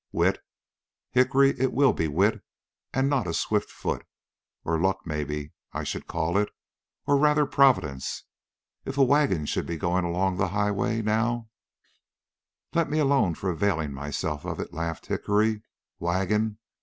"Wit? Hickory, it will be wit and not a swift foot. Or luck, maybe I should call it, or rather providence. If a wagon should be going along the highway, now " "Let me alone for availing myself of it," laughed Hickory. "Wagon!